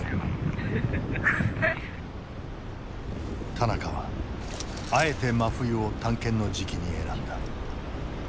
田中はあえて真冬を探検の時期に選んだ。